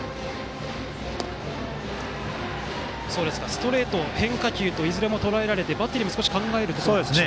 ストレート、変化球といずれもとらえられてバッテリーも少し考えるということでしょうか。